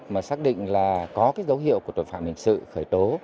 mà xác định là có cái dấu hiệu của tội phạm hình sự khởi tố